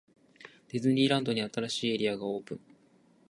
ディズニーランドに、新しいエリアがオープン!!